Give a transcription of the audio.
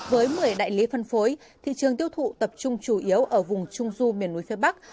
với một mươi đại lý phân phối thị trường tiêu thụ tập trung chủ yếu ở vùng trung du miền núi phía bắc